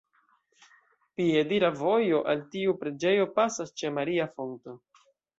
Piedira vojo al tiu preĝejo pasas ĉe "maria fonto".